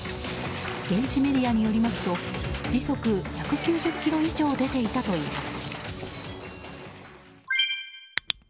現地メディアによりますと時速１９０キロ以上出ていたといいます。